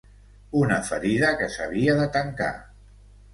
Una ferida que s’havia de tancar.